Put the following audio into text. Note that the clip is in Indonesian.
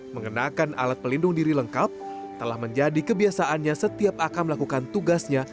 mengenakan alat pelindung diri lengkap telah menjadi kebiasaannya setiap akan melakukan tugasnya